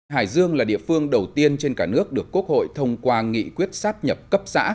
hải dương là địa phương đầu tiên trên cả nước được quốc hội thông qua nghị quyết sát nhập cấp xã